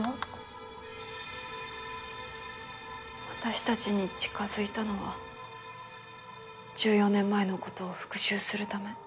私たちに近づいたのは１４年前の事を復讐するため？